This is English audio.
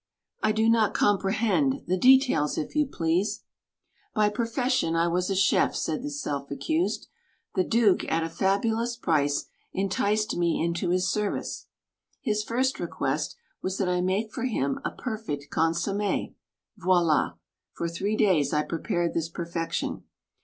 "I do not comprehend. The details, if you please." "By profession I was a chef," said the self accused. "The Duke, at a fabulous price, enticed me into his serv ice. His first request was that I make for him a per fect consomme. Voila! For three days I prepared this perfection.